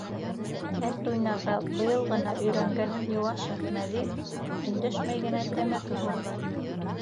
Кәрт уйнарға быйыл ғына өйрәнгән йыуаш Әхмәҙи өндәшмәй генә тәмәке һурҙы.